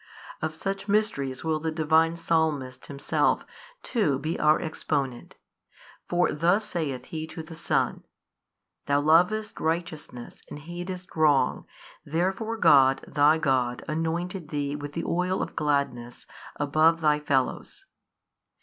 Of such mysteries will the Divine Psalmist himself too be our exponent: for thus saith he to the Son, Thou lovedst righteousness and hatedst wrong, therefore God, Thy God, anointed Thee with the oil of gladness above Thy fellows.